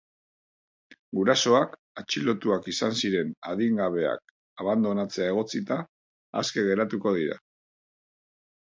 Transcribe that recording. Gurasoak, atxilotuak izan ziren adingabeak abandonatzea egotzita, aske geratuko dira.